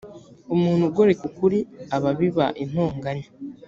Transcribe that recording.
umuntu ugoreka ukuri aba abiba intonganya